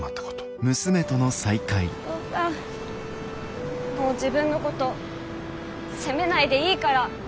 お父さんもう自分のこと責めないでいいから。